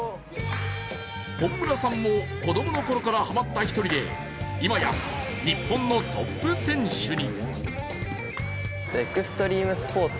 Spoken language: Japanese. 本村さんも子供のころからハマった一人で、今や日本のトップ選手に。